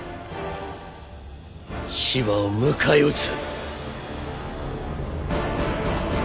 千葉を迎え撃つ！